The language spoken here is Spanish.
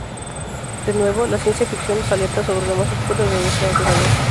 De nuevo, la ciencia ficción nos alerta sobre lo más oscuro de nuestra naturaleza.